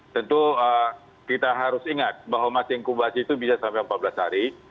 tentu kita harus ingat bahwa masing masing kubasi itu bisa sampai empat belas hari